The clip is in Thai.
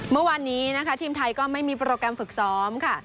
เมื่อวานนี้นะคะทีมไทยก็ไม่มีโปรแกรมฝึกซ้อมค่ะ